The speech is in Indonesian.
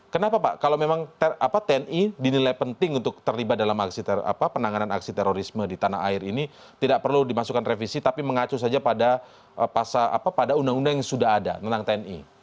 kenapa pak kalau memang tni dinilai penting untuk terlibat dalam penanganan aksi terorisme di tanah air ini tidak perlu dimasukkan revisi tapi mengacu saja pada undang undang yang sudah ada tentang tni